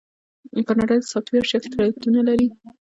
کاناډا د سافټویر شرکتونه لري.